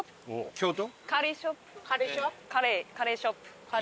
京都？